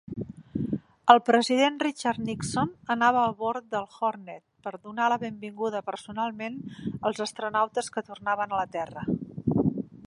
El president Richard Nixon anava a bord del "Hornet" per donar la benvinguda personalment als astronautes que tornaven a la Terra.